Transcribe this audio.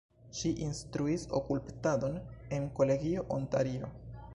Ŝi instruis skulptadon en kolegio Ontario.